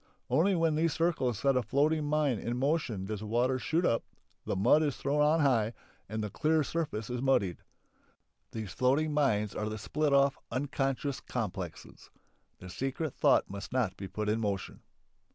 Only when these circles set a floating mine in motion does the water shoot up, the mud is thrown on high, and the clear surface is muddied. These floating mines are the split off, unconscious complexes. The secret thought must not be put in motion.